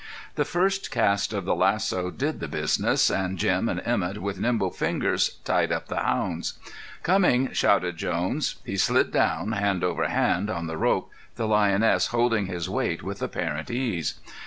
The first cast of the lasso did the business, and Jim and Emett with nimble fingers tied up the hounds. "Coming," shouted Jones. He slid down, hand over hand, on the rope, the lioness holding his weight with apparent ease.